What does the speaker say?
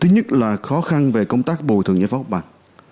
thứ nhất là khó khăn về công tác bùi thường nhà pháp bàn